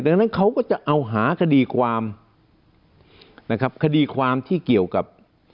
ดังนั้นเขาก็จะเอาหาคดีความนะครับคดีความที่เกี่ยวกับ